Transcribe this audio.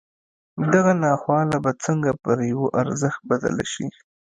دغه ناخواله به څنګه پر يوه ارزښت بدله شي.